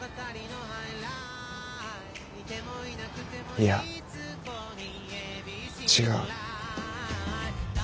いや違う。